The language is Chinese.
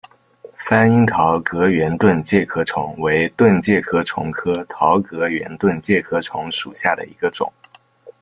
番樱桃葛圆盾介壳虫为盾介壳虫科桃葛圆盾介壳虫属下的一个种。